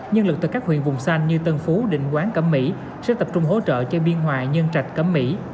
nhân lực từ các huyện vùng xanh như tân phú định quán cẩm mỹ sẽ tập trung hỗ trợ cho biên hòa nhân trạch cẩm mỹ